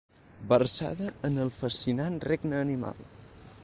Versada en el fascinant regne animal.